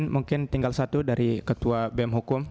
mungkin tinggal satu dari ketua bem hukum